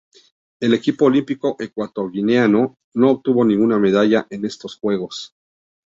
El equipo olímpico ecuatoguineano no obtuvo ninguna medalla en estos Juegos.